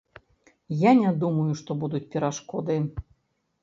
Я не думаю, што будуць перашкоды.